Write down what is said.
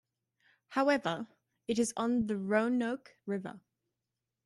However, it is on the Roanoke River.